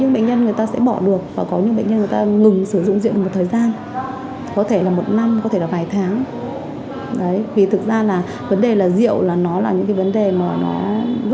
và nếu như vậy thì nó sẽ mở ra một cái vấn đề nữa là gì